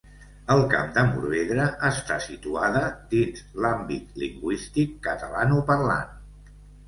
El Camp de Morvedre està situada dins l'àmbit lingüístic catalanoparlant.